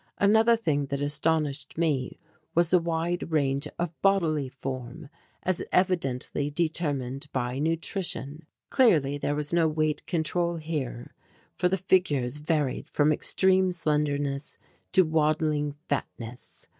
Another thing that astonished me was the wide range of bodily form, as evidently determined by nutrition. Clearly there was no weight control here, for the figures varied from extreme slenderness to waddling fatness.